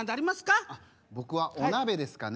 僕はお鍋ですかね。